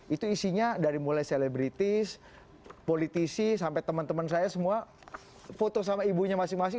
itu isinya dari mulai selebritis politisi sampai teman teman saya semua foto sama ibunya masing masing